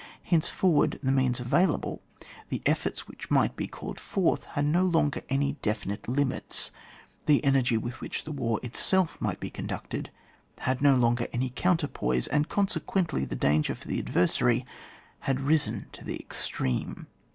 Hence forward, the means available— the efforts which might becaHed forth— had no longer any definite limits; the energy with which the war itself might be conducted had no longer any counterpoise, and consequently the danger for the adversaiy had risen to the extreme.